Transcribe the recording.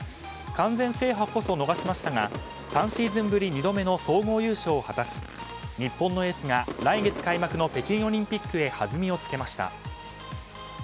完全制覇こそ逃しましたが３シーズンぶり２度目の総合優勝を果たし日本のエースが来月開幕の北京オリンピックへはずみをつけました。